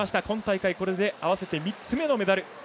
今大会、これで合わせて３つ目のメダル。